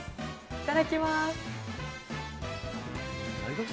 いただきます。